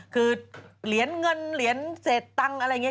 คือเหรียญเงินเหรียญเศษตังค์อะไรอย่างนี้